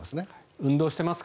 運動してますか？